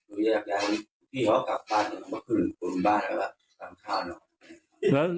ผมยากอย่างนี่พี่เขากลับบ้านกันขึ้นบนบ้านแล้วทำทางออก๑นิ้ว